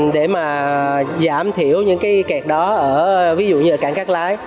để mà giảm thiểu những cái kẹt đó ở ví dụ như là cảng cát lái